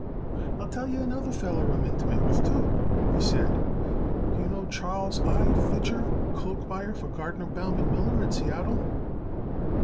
"I'll tell you another feller I'm intimate with, too," he said. "Do you know Charles I. Fichter, cloak buyer for Gardner, Baum & Miller, in Seattle?"